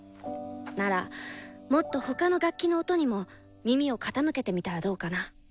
ならもっと他の楽器の音にも耳を傾けてみたらどうかな？